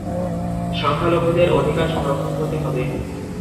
সংখ্যালঘুদের অধিকার সংরক্ষণ করতে হবে।